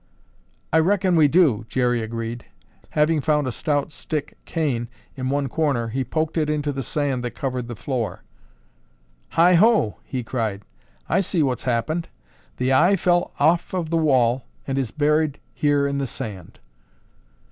"I reckon we do," Jerry agreed. Having found a stout stick cane in one corner, he poked it into the sand that covered the floor. "Hi ho!" he cried. "I see what's happened. The Eye fell off of the wall and is buried here in the sand."